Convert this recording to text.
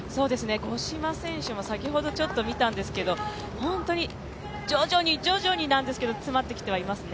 五島選手も先ほどちょっと見たんですけど、本当に徐々に徐々にですが詰まってきていますね。